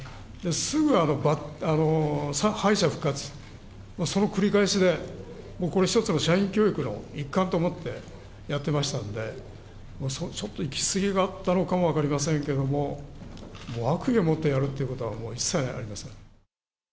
すぐ敗者復活、その繰り返しで、これ、一つの社員教育の一環と思ってやってましたんで、ちょっと行き過ぎがあったのかも分かりませんけども、悪意を持ってやるっていうことは、もう一切ありません。